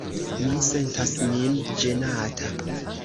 Mi sentas min ĝenata.